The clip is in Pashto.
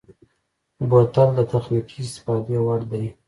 بوتل د تخنیکي استفادې وړ دی.